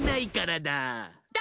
だ！